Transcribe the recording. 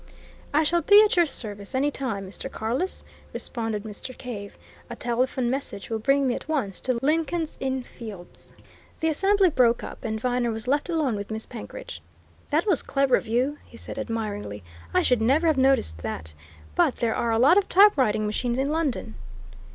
"I shall be at your service any time, Mr. Carless," responded Mr. Cave. "A telephone message will bring me at once to Lincoln's Inn Fields." The assembly broke up, and Viner was left alone with Miss Penkridge. "That was clever of you!" he said, admiringly. "I should never have noticed that. But there are a lot of typewriting machines in London!"